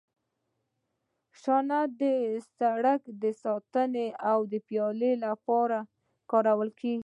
شانه د سرک د ساتنې او پیاده رو لپاره کارول کیږي